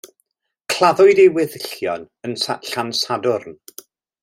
Claddwyd ei weddillion yn Llansadwrn.